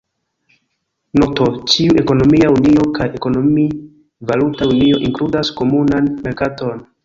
Noto: ĉiu ekonomia unio kaj ekonomi-valuta unio inkludas komunan merkaton.